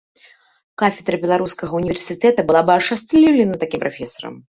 Кафедра беларускага універсітэта была б ашчасліўлена такім прафесарам.